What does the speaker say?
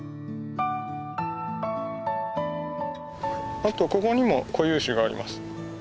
あとここにも固有種があります。